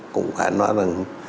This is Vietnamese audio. cũng phải nói là